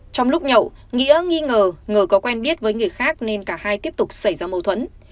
trong lúc nhậu nghĩa nghi ngờ ngờ có quen biết với người khác nên cả hai tiếp tục xảy ra mâu thuẫn